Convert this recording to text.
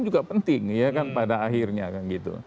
juga penting pada akhirnya